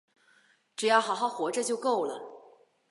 只要好好活着就够了